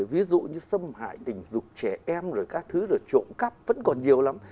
ví dụ như xâm hại tình dục trẻ em rồi các thứ rồi trộm cắp vẫn còn nhiều lắm